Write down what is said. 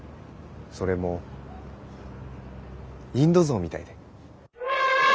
それもインド象みたいで。